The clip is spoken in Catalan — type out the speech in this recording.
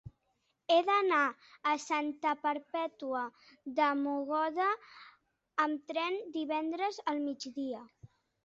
He d'anar a Santa Perpètua de Mogoda amb tren divendres al migdia.